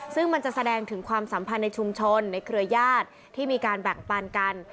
ซึ่งมันจะแสดงถึงความสัมพันธ์ในชุมชนในเครือญาติที่มีการแบ่งปันกัน